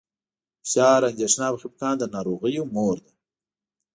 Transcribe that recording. فشار، اندېښنه او خپګان د ناروغیو مور ده.